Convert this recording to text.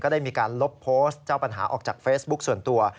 ได้มีการลบโพสต์เจ้าปัญหาออกจากเฟซบุ๊คส่วนตัว